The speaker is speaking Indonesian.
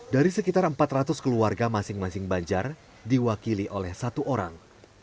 dari sekitar empat ratus keluarga masing masing banjar diwakili oleh satu orang